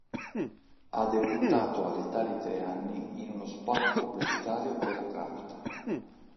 Ha debuttato all'età di tre anni in uno spot pubblicitario per la Kraft.